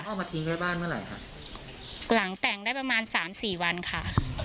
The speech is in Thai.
เอามาทิ้งไว้บ้านเมื่อไหร่ค่ะหลังแต่งได้ประมาณสามสี่วันค่ะ